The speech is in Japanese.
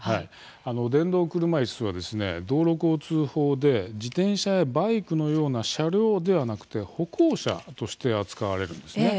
電動車いすは道路交通法で自転車やバイクのような車両ではなくて歩行者として扱われるんです。